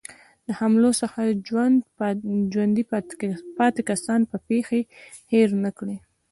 له حملو څخه ژوندي پاتې کسان به پېښې هېرې نه کړي.